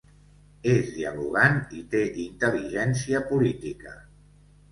És dialogant i té intel·ligència política.